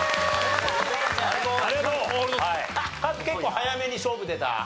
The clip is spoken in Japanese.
結構早めに勝負出た？